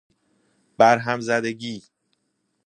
بر هم زدگی